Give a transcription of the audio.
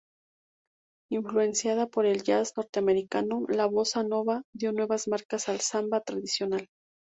Influenciada por el jazz norteamericano, la bossa nova dio nuevas marcas al samba tradicional.